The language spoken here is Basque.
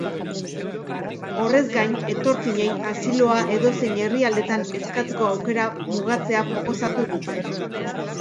Horrez gain, etorkinei asiloa edozein herrialdetan eskatzeko aukera mugatzea proposatu dute.